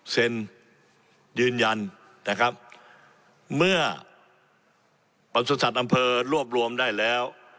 ยืนยันนะครับเมื่อประสุทธิ์อำเภอรวบรวมได้แล้ว